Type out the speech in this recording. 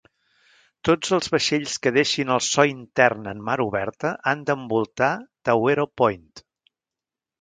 Tots els vaixells que deixin el so intern en mar oberta han d'envoltar Tawero Point.